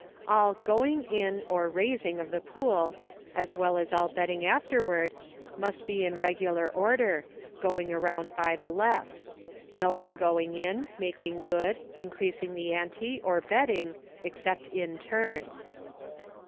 All " going in" or "raising" of the pool, as well as all betting afterward, must be in regular order, going round by the left ; no one going in, making good, increasing the ante, or betting, except in turn.